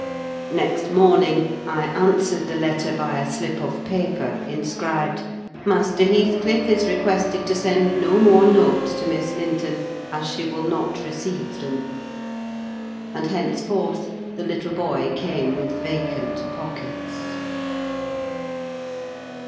Next morning I answered the letter by a slip of paper, inscribed, "Master Heathcliff is requested to send no more notes to Miss Linton, as she will not receive them." And, thenceforth, the little boy came with vacant pockets.